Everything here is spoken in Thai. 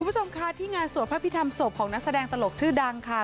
คุณผู้ชมค่ะที่งานสวดพระพิธรรมศพของนักแสดงตลกชื่อดังค่ะ